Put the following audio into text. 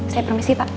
saya permisi pak